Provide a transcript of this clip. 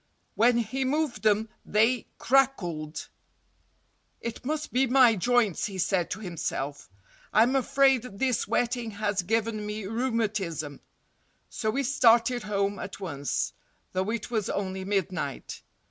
When he moved them they crackled. "It must be my joints," he said to himself. "I'm afraid this wetting has given me rheumatism." So he started home at once—though it was only midnight.